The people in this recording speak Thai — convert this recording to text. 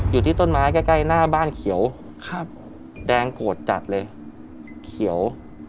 อยู่ที่ต้นไม้ใกล้ใกล้หน้าบ้านเขียวครับแดงโกรธจัดเลยเขียว